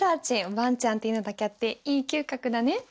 ワンちゃんっていうのだけあっていい嗅覚だね